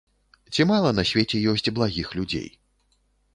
Ці мала на свеце ёсць благіх людзей.